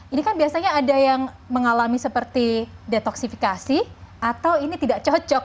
ini kan biasanya ada yang mengalami seperti detoksifikasi atau ini tidak cocok